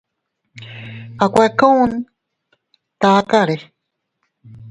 A kuakun takare.